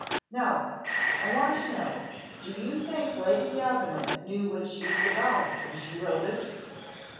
Now then, I want to know, do you think Lady Davenant knew what she was about when she wrote it?"